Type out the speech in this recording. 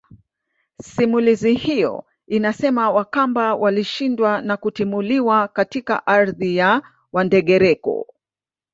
Simulizi hiyo inasema Wakamba walishindwa na kutimuliwa katika ardhi ya Wandengereko